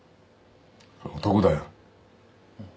男だよ。